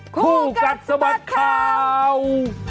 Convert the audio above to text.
คู่กัดสมัสข่าว